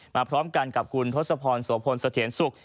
พร้อมกันกับคุณทศพรโสพลสะเทียนสุข